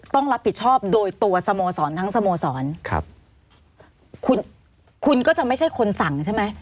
ต้องรับผิดชอบโดยตัวสโมสรทั้งสโมสรครับคุณคุณก็จะไม่ใช่คนสั่งใช่ไหม